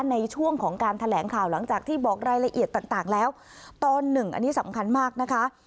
ในช่วงของการแถลงข่าวหลังจากที่บอกรายละเอียดต่างแล้วตอนหนึ่งอันนี้สำคัญมากนะคะ